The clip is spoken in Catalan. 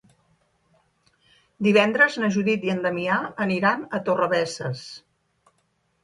Divendres na Judit i en Damià aniran a Torrebesses.